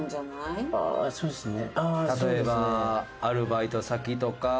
なんかアルバイト先とか。